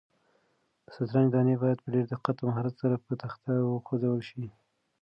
د شطرنج دانې باید په ډېر دقت او مهارت سره په تخته وخوځول شي.